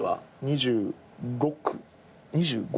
２６２５。